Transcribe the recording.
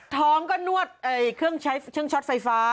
ท้องก็นวดเครื่องใช้เครื่องช็อตไฟฟ้า